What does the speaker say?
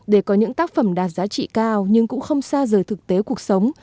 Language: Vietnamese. để có những tác phẩm đạt giá trị cao nhưng cũng không xa rời thực tế cuộc sống